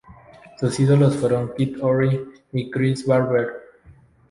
Sus ídolos fueron Kid Ory y Chris Barber.